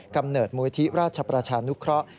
กำเนิดมูลที่ราชประชานุเคราะห์